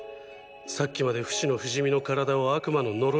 さっきまでフシの不死身の体を悪魔の呪いだと言っていたのに。